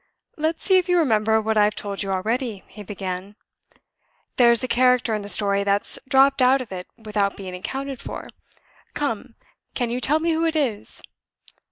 "Let's see if you remember what I've told you already," he began. "There's a character in the story that's dropped out of it without being accounted for. Come! can you tell me who it is?"